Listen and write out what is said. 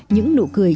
những nụ cười